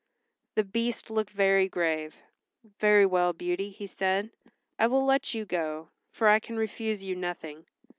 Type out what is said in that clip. The Beast looked very grave. "Very well, Beauty," he said, "I will let you go, for I can refuse you nothing.